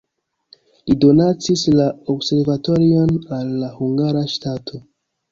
Li donacis la observatorion al la hungara ŝtato.